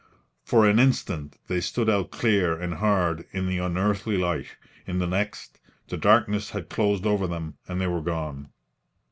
For an instant they stood out clear and hard in the unearthly light; in the next, the darkness had closed over them, and they were gone.